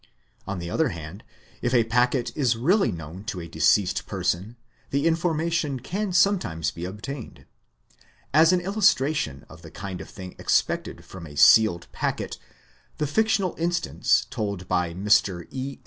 On the other hand, if a packet is really known to a deceased person, the information can sometimes be obtained. As an illustration of the kind of thing expected from a sealed packet the fictional instance told by Mr. E.